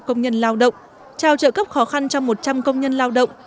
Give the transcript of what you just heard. công nhân lao động trao trợ cấp khó khăn cho một trăm linh công nhân lao động